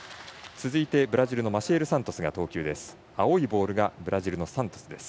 続いてブラジルのマシエル・サントスが投球です。